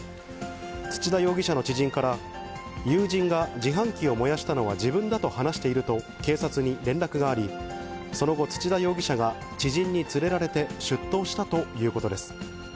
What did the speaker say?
土田容疑者の知人から、友人が自販機を燃やしたのは自分だと話していると警察に連絡があり、その後、土田容疑者が知人に連れられて出頭したということです。